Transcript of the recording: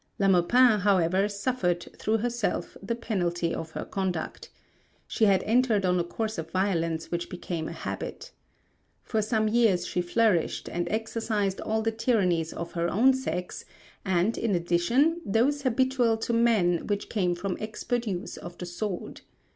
La Maupin, however, suffered, through herself, the penalty of her conduct. She had entered on a course of violence which became a habit. For some years she flourished and exercised all the tyrannies of her own sex and in addition those habitual to men which came from expert use of the sword.